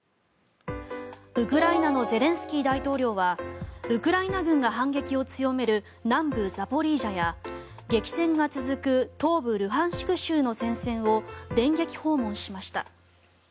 ウクライナのゼレンスキー大統領はウクライナ軍が反撃を強める南部ザポリージャや激戦が続く東部ルハンシク州の戦線を電撃訪問しました。